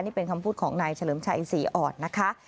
นี่เป็นคำพูดของนายเฉลิมชัยศรีอ่อนนะคะ